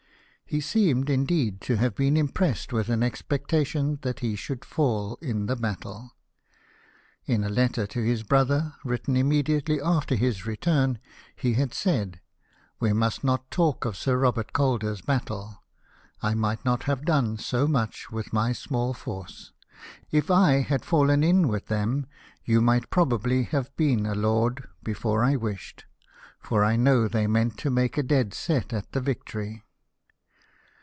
He seemed, indeed, to have been impressed with an expectation that he should fall in the battle. In a letter to his brother, written immediately after his return, he had said :" We must not talk of Sir Eobert Calder's battle — I might not have done so much with my small force. If I had fallen in with them, you might prob ably have been a lord before I wished ; for I know they meant to make a dead set at the Victory!'